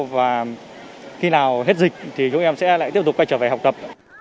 và khi nào hết dịch thì chúng em sẽ lại tiếp tục quay trở về học tập